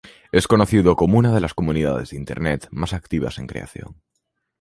es conocido como una de las comunidades de internet más activas en creación